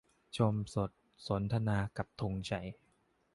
ชมสด สนทนากับธงชัย